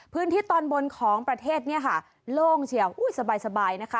พื้นที่ตอนบนของประเทศโล่งเฉียงสบาย